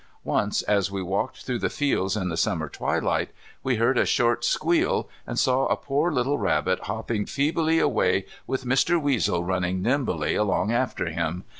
Once, as we walked through the fields in the Summer twilight, we heard a short squeal and saw a poor little rabbit hopping feebly away with Mr. Weasel running nimbly along after him.